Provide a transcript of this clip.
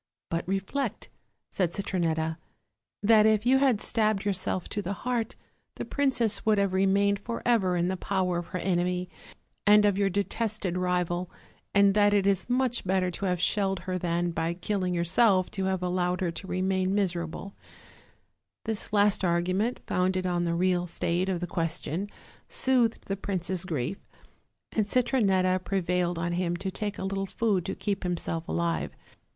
"But reflect," said Citronetta, "that if you had stabbed yourself to the heart, the princess would have remained forever in the power of her enemy and of your detested rival, and that it is much better to have shelled her than, by killing yourself, to have allowed her to remaia miserable." OLD, OLD FAIRY TALES. 317 This last argument, founded on the real state of the question, soothed the prince's grief, and Citronetta pre vailed on him to take a little food to keep himself alive.